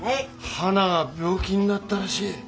はなが病気んなったらしい。